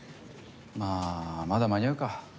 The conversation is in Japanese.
まあまだ間に合うか。